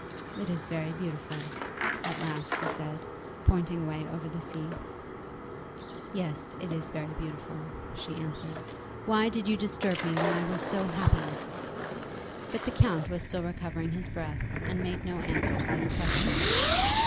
"It is very beautiful," at last he said, pointing away over the sea. "Yes; it is very beautiful," she answered. "Why did you disturb me when I was so happy?" But the count was still recovering his breath, and made no answer to this question.